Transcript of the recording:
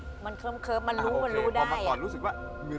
มดมันเคิมมันรู้มันรู้ได้